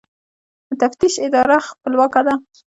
د تفتیش اداره خپلواکه ده؟